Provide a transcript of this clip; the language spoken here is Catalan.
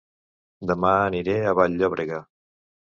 Dema aniré a Vall-llobrega